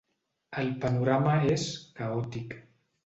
El panorama és caòtic.